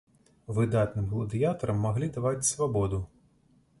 Выдатным гладыятарам маглі даваць свабоду.